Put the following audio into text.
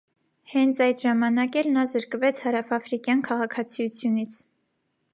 Հենց այդ ժամանակ էլ նա զրկվեց հարավաֆրիկյան քաղաքացիությունից։